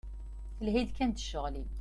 Lhi-d kan d ccɣel-im.